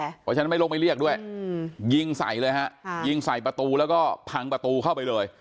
เพราะฉะนั้นไม่ลงไม่เรียกด้วยยิงใส่เลยฮะยิงใส่ประตูแล้วก็พังประตูเข้าไปเลย